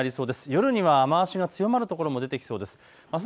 夜には雨足が強まる所も出てきそうです。